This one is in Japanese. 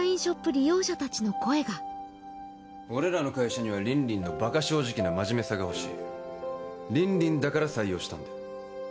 利用者達の声が俺らの会社には凜々のバカ正直な真面目さがほしい凜々だから採用したんだよ